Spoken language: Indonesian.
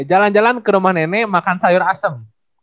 jalan jalan ke rumah nenek makan sayur asem